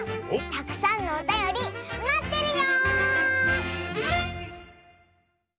たくさんのおたよりまってるよ！